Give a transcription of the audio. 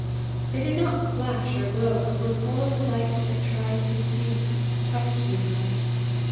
They did not flash or glow, but were full of the light that tries to see questioning eyes.